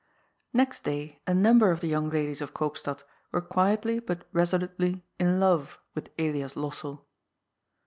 Next day a number of the young ladies of Koopstad were quietly but resolutely in love with Elias Lossell.